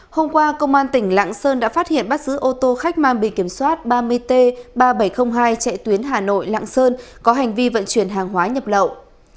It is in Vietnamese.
hôm qua công an tỉnh lạng sơn đã phát hiện bắt giữ ô tô khách mang bị kiểm soát ba mươi t ba nghìn bảy trăm linh hai chạy tuyến hà nội lạng sơn có hành vi vận chuyển hàng hóa nhập lậu